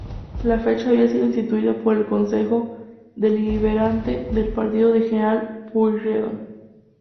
La fecha había sido instituida por el Concejo Deliberante del partido de General Pueyrredón.